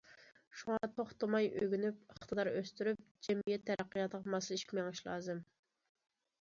شۇڭا، توختىماي ئۆگىنىپ، ئىقتىدار ئۆستۈرۈپ، جەمئىيەت تەرەققىياتىغا ماسلىشىپ مېڭىش لازىم.